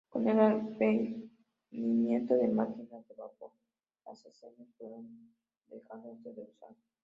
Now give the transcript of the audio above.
Con el advenimiento de máquinas de vapor las aceñas fueron dejándose de usar.